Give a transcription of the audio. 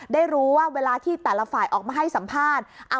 ได้รู้ว่าเวลาที่แต่ละฝ่ายออกมาให้สัมภาษณ์